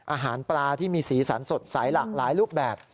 อาหารปลาที่มีสีสันสดใสหลากหลายรูปแบบ